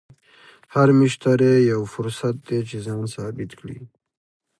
هر مشتری یو فرصت دی چې ځان ثابت کړې.